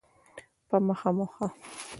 په مخه مو ښه؟